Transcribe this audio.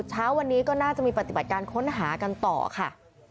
เช้าวันนี้ก็น่าจะมีปฏิบัติการค้นหากันต่อค่ะ